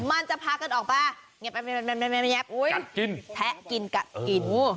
มันจะพากันออกป่ะเนี้ยแป๊บแป๊บแป๊บแป๊บแป๊บอุ้ยกัดกินแพะกินกัดกินโอ้โห